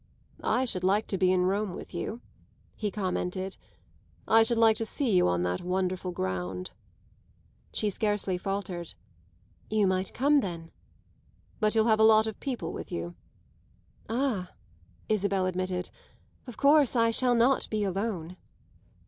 "I should like to be in Rome with you," he commented. "I should like to see you on that wonderful ground." She scarcely faltered. "You might come then." "But you'll have a lot of people with you." "Ah," Isabel admitted, "of course I shall not be alone."